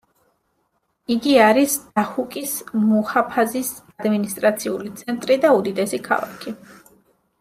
იგი არის დაჰუკის მუჰაფაზის ადმინისტრაციული ცენტრი და უდიდესი ქალაქი.